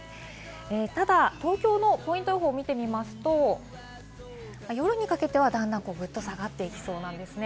ただ東京のポイント予報を見てみますと、夜にかけては段々ぐっと下がっていきそうなんですね。